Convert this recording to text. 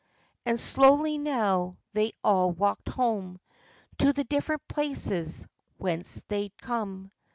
And slowly now they all walked home To the different places whence they'd come.